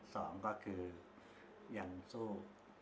สองก็คือยังสู้